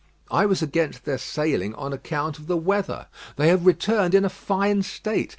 I was against their sailing on account of the weather. They have returned in a fine state.